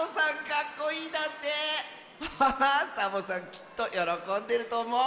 きっとよろこんでるとおもう！